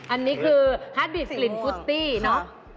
อันนี้คือฮาร์ดบิดกลิ่นฟุตตี้เนอะ